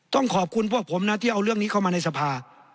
ต้องขอบคุณพวกผมนะที่เอาเรื่องนี้เข้ามาในสภา